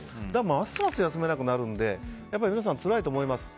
ますます休めなくなるのでやっぱり皆さんつらいと思います。